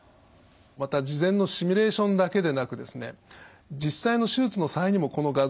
また事前のシミュレーションだけでなくですね実際の手術の際にもこの画像を使います。